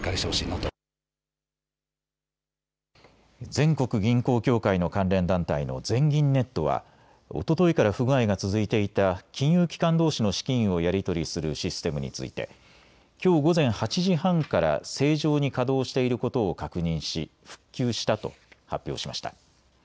全国銀行協会の関連団体の全銀ネットは、おとといから不具合が続いていた金融機関どうしの資金をやり取りするシステムについてきょう午前８時半から正常に稼働していることを確認し復旧したと発表しました。